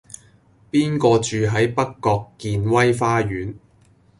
邊個住喺北角健威花園